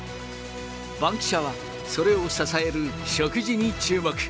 バンキシャは、それを支える食事に注目。